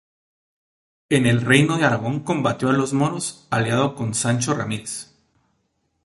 En el Reino de Aragón combatió a los Moros, aliado con Sancho Ramírez.